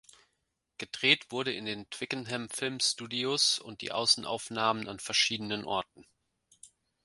Gedreht wurde in den Twickenham Film Studios und die Außenaufnahmen an verschiedenen Orten.